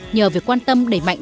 nhờ việc quan tâm đẩy mạnh